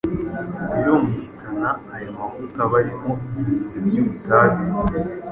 Birumvikana aya mavuta aba arimo ibintu by’ubutabire